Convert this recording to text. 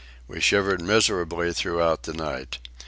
We shivered miserably throughout the night.